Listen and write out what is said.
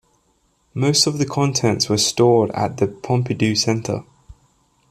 Most of the contents were stored at the Pompidou Center.